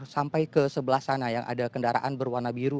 sampai ke sebelah sana yang ada kendaraan berwarna biru